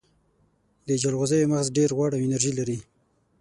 د جلغوزیو مغز ډیر غوړ او انرژي لري.